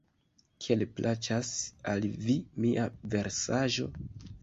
Kiel plaĉas al vi mia versaĵo?